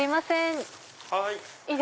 はい。